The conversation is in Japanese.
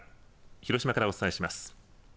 広島からお伝えします。